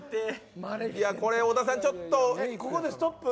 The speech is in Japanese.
これ小田さん、ちょっとここでストップ。